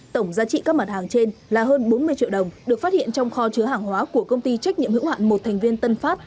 tổng giá trị các mặt hàng trên là hơn bốn mươi triệu đồng được phát hiện trong kho chứa hàng hóa của công ty trách nhiệm hữu hạn một thành viên tân phát